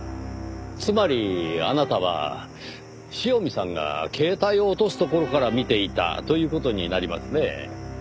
つまりあなたは塩見さんが携帯を落とすところから見ていたという事になりますねぇ。